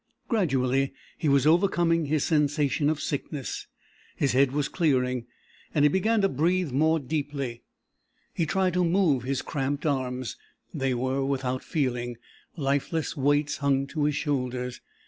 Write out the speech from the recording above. Gradually he was overcoming his sensation of sickness. His head was clearing, and he began to breathe more deeply. He tried to move his cramped arms. They were without feeling, lifeless weights hung to his shoulders.